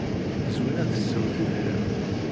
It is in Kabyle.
Zwina tessew tibḥirt.